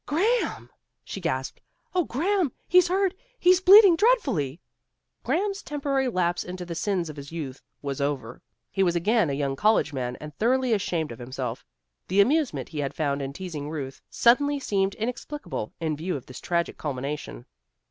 "Graham!" she gasped. "Oh, Graham! He's hurt! He's bleeding dreadfully!" Graham's temporary lapse into the sins of his youth was over. He was again a young college man, and thoroughly ashamed of himself. The amusement he had found in teasing Ruth suddenly seemed inexplicable, in view of this tragic culmination.